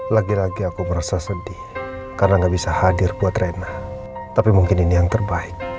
lagi lagi aku merasa sedih karena gak bisa hadir buat rena tapi mungkin ini yang terbaik